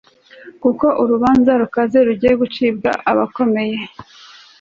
kuko urubanza rukaze rugiye gucirwa abakomeye